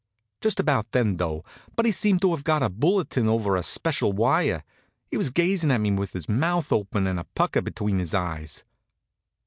Just about then, though, Buddy seemed to have got a bulletin over a special wire. He was gazin' at me with his mouth open and a pucker between his eyes.